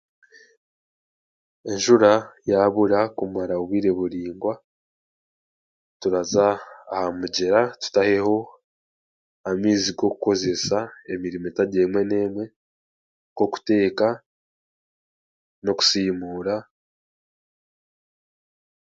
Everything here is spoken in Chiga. Enjura yaabura kumara obwire buraingwa turaza aha mugyera tutaheho amaizi g'okukozesa emirimo etari emwe n'emwe nk'okuteeka n'okusimuura.